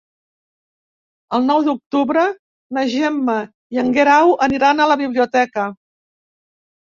El nou d'octubre na Gemma i en Guerau aniran a la biblioteca.